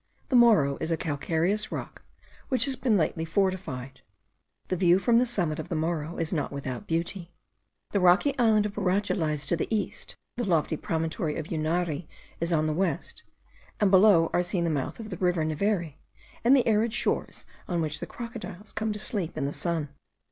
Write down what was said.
The Morro is a calcareous rock which has been lately fortified. The view from the summit of the Morro is not without beauty. The rocky island of Boracha lies on the east, the lofty promontory of Unare is on the west, and below are seen the mouth of the river Neveri, and the arid shores on which the crocodiles come to sleep in the sun.